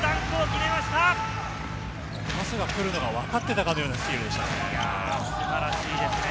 パスが来るのをわかってたかのようなスティールですね。